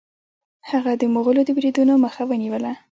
هغه د مغولو د بریدونو مخه ونیوله.